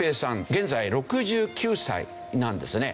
現在６９歳なんですね。